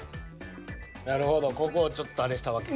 なるほどここをちょっとあれしたわけか。